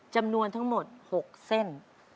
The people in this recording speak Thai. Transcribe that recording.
จำนวนทั้งหมด๖เส้น